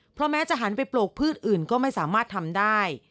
เพราะแม้จะหันไปปลูกพืชอื่นก็ไม่สามารถทำได้